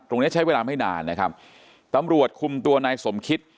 เนี้ยใช้เวลาไม่นานนะครับตำรวจคุมตัวนายสมคิต